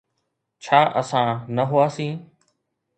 ڇا اسان نه هئاسين؟